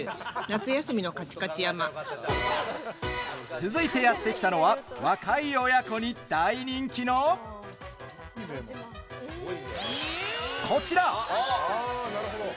続いてやってきたのは若い親子に大人気のこちら！